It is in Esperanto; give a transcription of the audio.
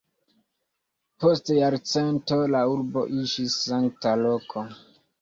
Post jarcento la urbo iĝis sankta loko.